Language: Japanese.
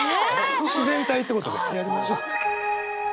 自然体ってことでやりましょう。